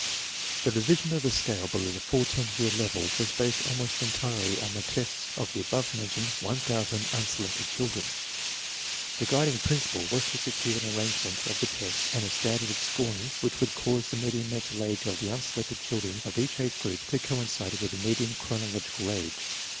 The revision of the scale below the 14 year level was based almost entirely on the tests of the above mentioned 1,000 unselected children. The guiding principle was to secure an arrangement of the tests 'and a standard of scoring which would cause the median mental age of the unselected children of each age group to coincide with the median chronological age.